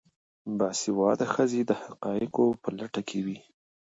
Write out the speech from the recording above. باسواده ښځې د حقایقو په لټه کې وي.